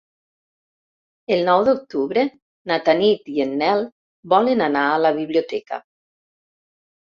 El nou d'octubre na Tanit i en Nel volen anar a la biblioteca.